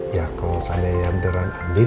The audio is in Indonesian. ya kalo misalnya yang deran andin